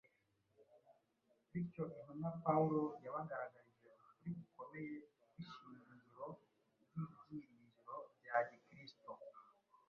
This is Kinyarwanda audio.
Bityo intumwa Pawulo yabagaragarije ukuri gukomeye kw’ishingiro ry’ibyiringiro bya Gikristo.